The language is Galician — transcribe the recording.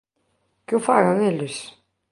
Que o fagan eles!